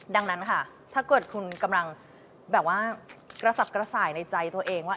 ดังนั้นค่ะถ้าเกิดคุณกำลังแบบว่ากระสับกระส่ายในใจตัวเองว่า